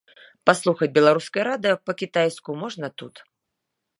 Паслухаць беларускае радыё па-кітайску можна тут.